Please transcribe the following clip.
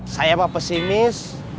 saya apa pesimis